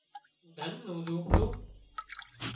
ڌنَ نُو زونپڙون